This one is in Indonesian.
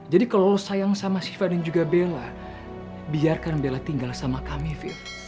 jadi kalau lo sayang sama syifa dan juga bella biarkan bella tinggal sama kami fiv